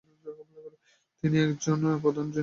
তিনি একজন প্রধান জৈন পণ্ডিত হিসাবে বিখ্যাত হয়ে উঠেছিলেন।